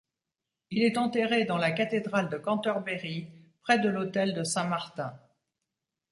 Il est enterré dans la cathédrale de Cantorbéry, près de l'autel de saint Martin.